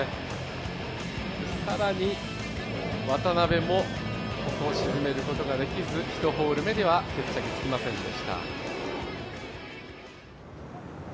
更に渡邉もここを沈めることができる１ホール目には、決着がつきませんでした。